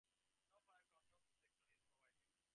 No fire control selector is provided.